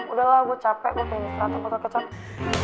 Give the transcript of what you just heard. udahlah gue capek gue pengen ketemu kata kata kecap